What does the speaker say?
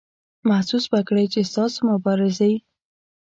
محسوس به کړئ چې ستاسو مبارزې.